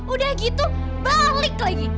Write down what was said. udah gitu balik lagi